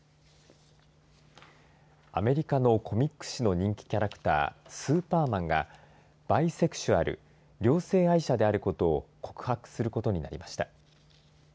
アメリカのコミック誌の人気キャラクタースーパーマンがバイセクシュアル両性愛者であることを告白することになりました。